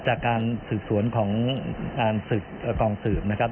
จากการศึกษวนของกองสืบนะครับ